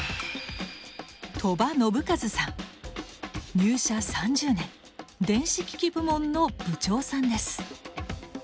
入社３０年電子機器部門の部長さんです。